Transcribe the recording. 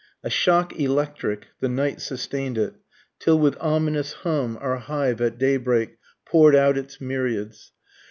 A shock electric, the night sustain'd it, Till with ominous hum our hive at daybreak pour'd out its myriads.